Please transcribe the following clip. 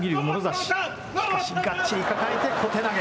しかし、がっちり抱えて小手投げ。